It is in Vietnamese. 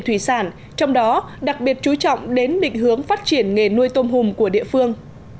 thủy sản trong đó đặc biệt chú trọng đến định hướng phát triển nghề nuôi tôm hùm của địa phương